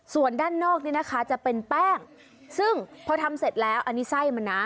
ส่วนด้านนอกนี่นะคะจะเป็นแป้งซึ่งพอทำเสร็จแล้วอันนี้ไส้มันนะ